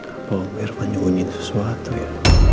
apa umir fanda nyugumin sesuatu ya